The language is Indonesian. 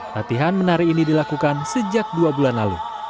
latihan menari ini dilakukan sejak dua bulan lalu